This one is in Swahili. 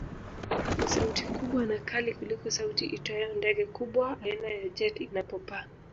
Ni sauti kubwa na kali kuliko sauti itoayo ndege kubwa aina ya jet inapopaa